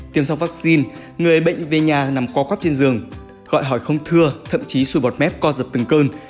tiêm xong vaccine người bệnh về nhà nằm co cóp trên giường gọi hỏi không thưa thậm chí sùi bọt mép co dập từng cơn